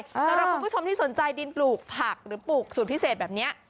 สำหรับคุณผู้ชมที่สนใจดินปลูกผักหรือปลูกสูตรพิเศษแบบนี้